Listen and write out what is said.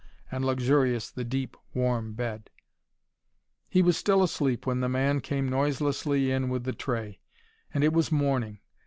And luxurious the deep, warm bed. He was still asleep when the man came noiselessly in with the tray: and it was morning.